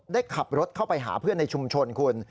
ได้ขับรถเข้าไปหาเพื่อนในชุมชนคุณ